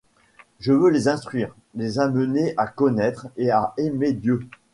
Je veux les instruire, les amener à connaître et à aimer Dieu!